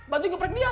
banting geprek dia